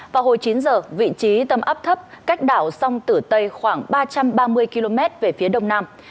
vào hồi chín giờ vị trí tâm áp thấp cách đảo sông tử tây khoảng ba trăm ba mươi km về phía đông nam